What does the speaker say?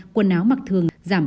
quần áo mặc thường giảm sáu một